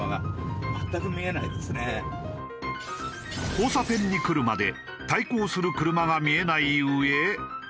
交差点に来るまで対向する車が見えないうえ。